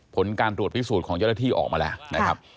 ผลการตรวจพิสูจน์ของเจ้าหน้าที่ออกมาแล้วนะครับ